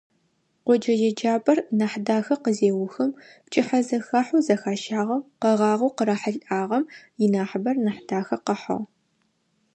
Къоджэ еджапӏэр Нахьдахэ къызеухым, пчыхьэзэхахьэу зэхащагъэм къэгъагъэу къырахьылӏагъэм инахьыбэр Нахьдахэ къыхьыгъ.